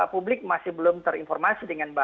publik masih belum terinformasi